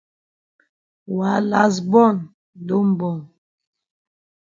Wa kas born don born.